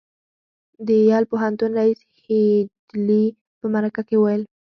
د یل پوهنتون ريیس هيډلي په مرکه کې وویل